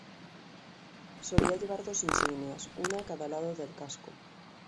Solía llevar dos insignias, una a cada lado del casco.